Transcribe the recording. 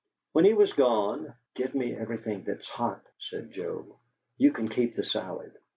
When he had gone, "Give me everything that's hot," said Joe. "You can keep the salad."